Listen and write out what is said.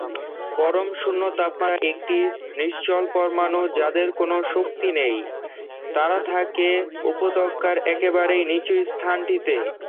পরম শূন্য তাপমাত্রায় একদল নিশ্চল পরমাণু যাদের কোনো শক্তি নেই, তারা থাকে উপত্যকার একেবারেই নিচু স্থানটিতে।